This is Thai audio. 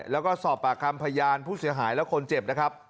แล้วก็สอบปากคำพยานผู้เสียหายและคนเจ็บนะครับ